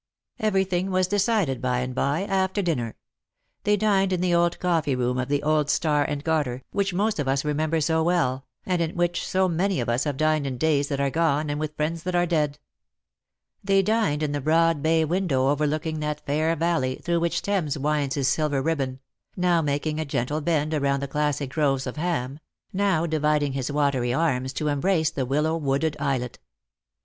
Everything was decided by and by, after dinner. They dined in the old coffee room of the old Star and Garter, which most of us remember so well, and in which so many of us have dined in days that are gone and with friends that are dead. They dined in the broad bay window overlooking that fair valley through which Thames winds his silver ribbon ; now making a gentle bend around the classic groves of Ham ; now dividing his watery arms to embrace the willow wooded islet.